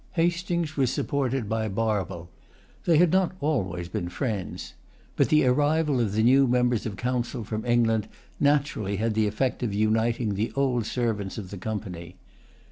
Hastings was supported by Barwell. They had not always been friends. But the arrival of the new members of Council from England naturally had the effect of uniting the old servants of the Company.